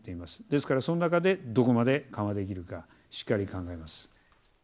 ですから、その中でどこまで緩和できるか、しっかり考えます。